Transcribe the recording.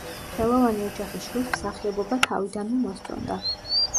ხელოვანი ოჯახის შვილს მსახიობობა თავიდანვე მოსწონდა.